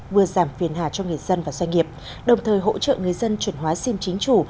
vừa giảm phiền hà cho người dân và doanh nghiệp đồng thời hỗ trợ người dân chuyển hóa sim chính chủ